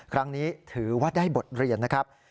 ครั้งนี้ถือว่าได้บทเรียนนะครับ